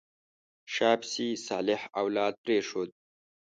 شا پسې صالح اولاد پرېښود.